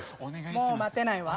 もう待てないわ。